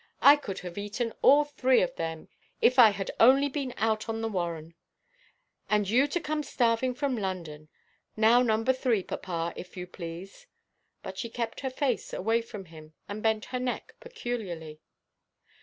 I could have eaten all three of them if I had only been out on the warren. And you to come starving from London! Now No. 3, papa, if you please." But she kept her face away from him, and bent her neck peculiarly.